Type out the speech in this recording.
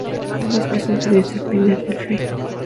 Ambas prestan servicio al Pinar del Rey.